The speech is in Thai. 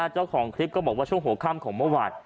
เจ้าของคลิปก็บอกว่าช่วงหัวค่ำของเมื่อวาน